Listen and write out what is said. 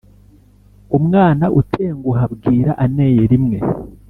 Umwana utenguha bwira aneye rimwe.